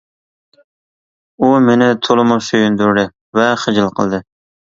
بۇ مېنى تولىمۇ سۆيۈندۈردى ۋە خىجىل قىلدى.